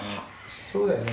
そうだよね